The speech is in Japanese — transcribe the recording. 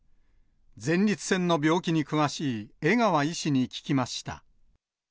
前立腺の病気に詳しい頴川医師に聞きました。